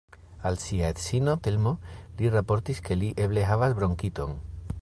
Al sia edzino, Telmo, li raportis ke li eble havas bronkiton.